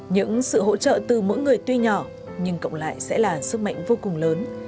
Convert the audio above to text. những sự hỗ trợ từ mỗi người tuy nhỏ nhưng cộng lại sẽ là sức mạnh vô cùng lớn